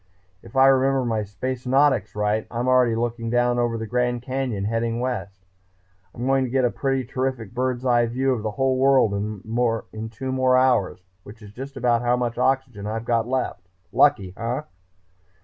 If I remember my Spacenautics right I'm already looking down over the Grand Canyon, heading west. I'm going to get a pretty terrific bird's eye view of the whole world in two more hours, which is just about how much oxygen I've got left.... Lucky, eh?"